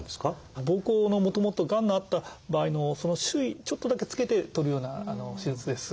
膀胱のもともとがんのあった場合のその周囲ちょっとだけつけて取るような手術です。